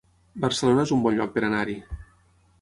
Barcelona es un bon lloc per anar-hi